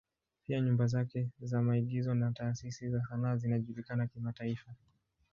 Pia nyumba zake za maigizo na taasisi za sanaa zinajulikana kimataifa.